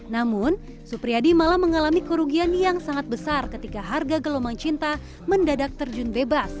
namun supriyadi malah mengalami kerugian yang sangat besar ketika harga gelombang cinta mendadak terjun bebas